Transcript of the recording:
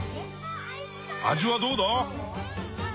味はどうだ？